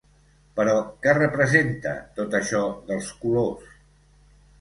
Però què representa tot això dels colors?